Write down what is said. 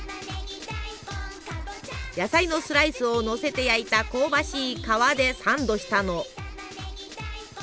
野菜のスライスをのせて焼いた香ばしい皮でサンドしたの！